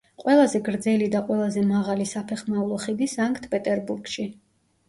ყველაზე გრძელი და ყველაზე მაღალი საფეხმავლო ხიდი სანქტ-პეტერბურგში.